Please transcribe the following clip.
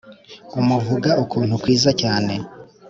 umuvuga ukuntu kwiza cyane